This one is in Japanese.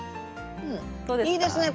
いいですね